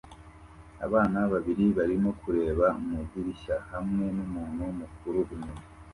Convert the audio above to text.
Abana babiri barimo kureba mu idirishya hamwe numuntu mukuru inyuma